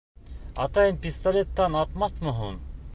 — Атайың пистолеттан атмаҫмы һуң?